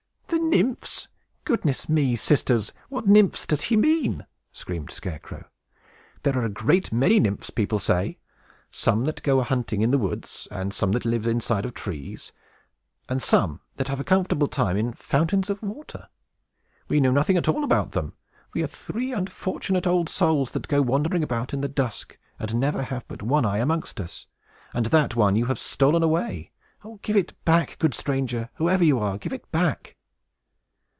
"The Nymphs! Goodness me! sisters, what Nymphs does he mean?" screamed Scarecrow. "There are a great many Nymphs, people say; some that go a hunting in the woods, and some that live inside of trees, and some that have a comfortable home in fountains of water. We know nothing at all about them. We are three unfortunate old souls, that go wandering about in the dusk, and never had but one eye amongst us, and that one you have stolen away. Oh, give it back, good stranger! whoever you are, give it back!"